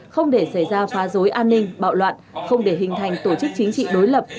không để xảy ra phá dối an ninh bạo loạn không để hình thành tổ chức chính trị đối lập